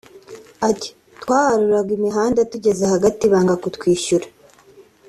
Ati “Twaharuraga imihanda tugeze hagati banga kutwishyura